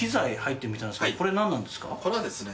これはですね